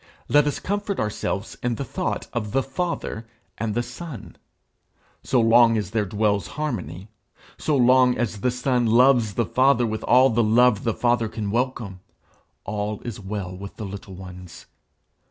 Let us comfort ourselves in the thought of the Father and the Son. So long as there dwells harmony, so long as the Son loves the Father with all the love the Father can welcome, all is well with the little ones.